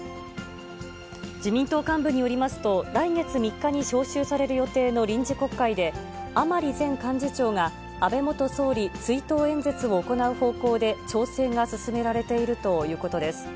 自民党幹部によりますと、来月３日に召集される予定の臨時国会で、甘利前幹事長が安倍元総理追悼演説を行う方向で調整が進められているということです。